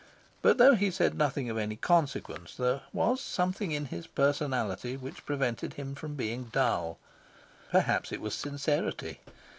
But though he said nothing of any consequence, there was something in his personality which prevented him from being dull. Perhaps it was sincerity.